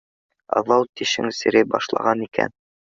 Аҙау тешең серей башлаған икән.